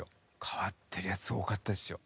変わってるやつ多かったですよ。